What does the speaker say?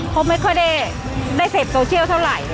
เขาไม่ค่อยได้เสพโซเชียลเท่าไหร่